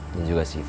dan juga syifa